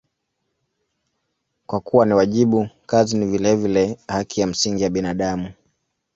Kwa kuwa ni wajibu, kazi ni vilevile haki ya msingi ya binadamu.